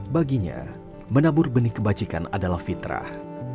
baginya menabur benih kebajikan adalah fitrah